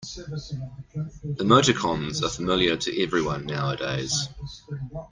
Emoticons are familiar to everyone nowadays.